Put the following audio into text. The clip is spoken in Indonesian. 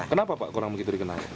kenapa pak kurang begitu dikenal